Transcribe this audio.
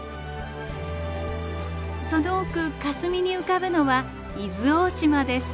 その奥かすみに浮かぶのは伊豆大島です。